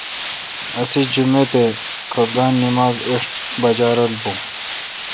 اسے° جمیت اے°کھپتان نماز ایݭٹھ بجا رل بون